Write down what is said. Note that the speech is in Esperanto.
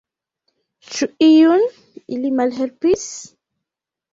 Ĉu iun ili malhelpis?